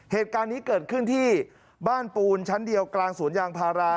เหตุการณ์นี้เกิดขึ้นที่บ้านปูนชั้นเดียวกลางสวนยางพารา